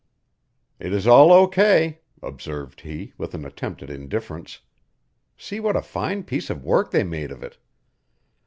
"It is all O. K.," observed he, with an attempt at indifference. "See what a fine piece of work they made of it."